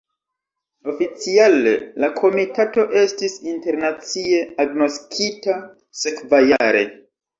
Oficiale, la komitato estis internacie agnoskita sekvajare.